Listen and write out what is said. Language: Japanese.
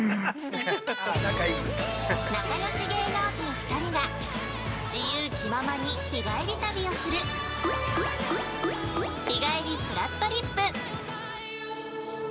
◆仲よし芸能人２人が自由気ままに日帰り旅をする「日帰りぷらっとりっぷ」